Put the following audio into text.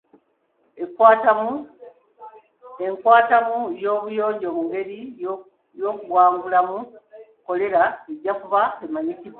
Mu myaka esatu enkwatamu y'obuyonjo ku ngeri y'okuwangulamu kolera ejja kuba emanyikiddwa.